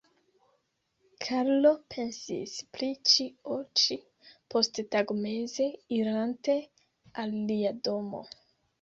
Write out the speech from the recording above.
Karlo pensis pri ĉio ĉi, posttagmeze, irante al lia domo.